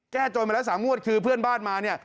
แก้โจยมาแล้วสามวัดคือเพื่อนบ้านมานี่